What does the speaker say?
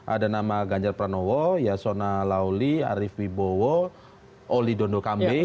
ada nama ganjar pranowo yasona lauli arief wibowo oli dondo kambe